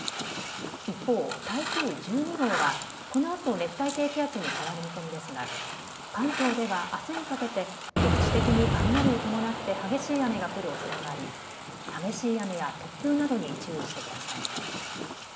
一方、台風１２号はこのあと熱帯低気圧に変わる見込みですが関東ではあすにかけて局地的に雷を伴って激しい雨が降るおそれがあり、激しい雨や突風などに注意してください。